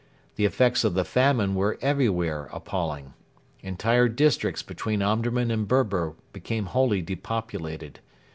The effects of the famine were everywhere appalling. Entire districts between Omdurman and Berber became wholly depopulated.